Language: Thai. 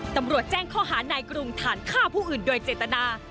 ตำรวจแจ้งข้อหานายกรุงฐานฆ่าผู้อื่นโดยเจตนา